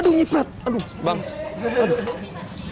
aduh nyiprat aduh bang aduh